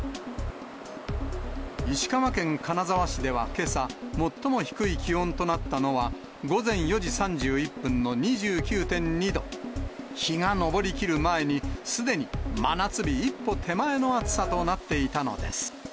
石川県金沢市ではけさ、最も低い気温となったのは午前４時３１分の２９．２度。日が昇りきる前に、すでに真夏日一歩手前の暑さとなっていたのです。